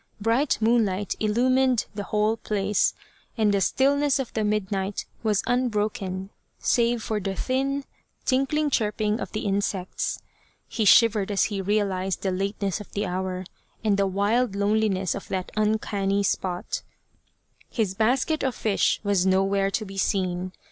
Bright moonlight illumined the whole place, and the stillness of the midnight was unbroken save for the thin tinkling chirping of the insects. He shivered as he realized the lateness of the hour and the wild loneliness of that uncanny spot. His basket of fish was nowhere to be seen.